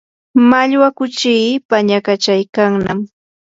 mallwa kuchii pañakachaykannam